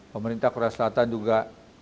pemerintah korea selatan juga